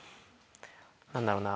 何だろうな。